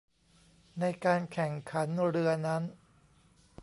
ในการแข่งขันเรือนั้น